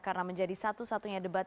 karena menjadi satu satunya debat